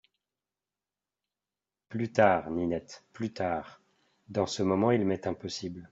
Plus tard, Ninette, plus tard ; dans ce moment il m’est impossible…